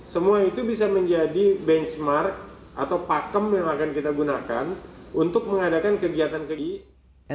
semua itu bisa menjadi benchmark atau pakem yang akan kita gunakan untuk mengadakan kegiatan kegiatan